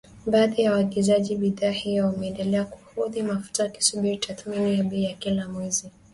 Baadhi ya waagizaji bidhaa hiyo wameendelea kuhodhi mafuta wakisubiri tathmini ya bei ya kila mwezi